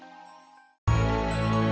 apa yang dirasain